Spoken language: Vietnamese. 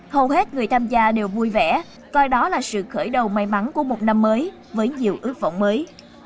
hầu hết người tham gia đều vui vẻ coi đó là sự khởi đầu may mắn của một năm mới với nhiều ước vọng mới